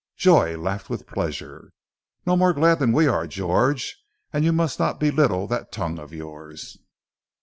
Joy laughed with pleasure. "Not more glad than are we, George. And you must not belittle that tongue of yours.